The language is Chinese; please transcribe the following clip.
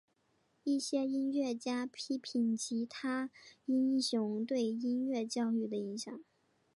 一些音乐家批评吉他英雄对音乐教育的影响。